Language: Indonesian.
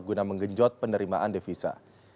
guna menggenjot penerimaan devisa